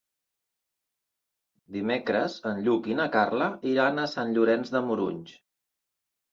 Dimecres en Lluc i na Carla iran a Sant Llorenç de Morunys.